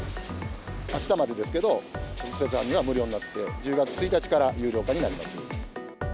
あしたまでですけど、直接搬入は無料になって、１０月１日から有料化になります。